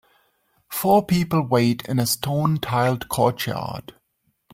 Four people wait in a stone tiled courtyard.